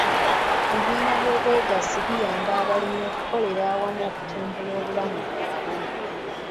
Ebibiina by'obwegassi biyamba abalimi okukolera awamu okutumbula obulamu bwabwe.